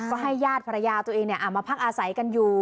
ก็ให้ญาติภรรยาตัวเองมาพักอาศัยกันอยู่